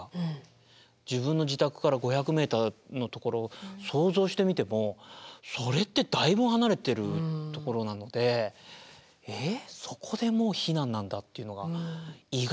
自分の自宅から５００ｍの所想像してみてもそれってだいぶ離れてる所なので「えっ？そこでもう避難なんだ」っていうのが意外すぎましたね。